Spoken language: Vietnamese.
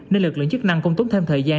nên lực lượng chức năng cũng tốn thêm thời gian